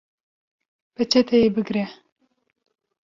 Peçeteyê bigre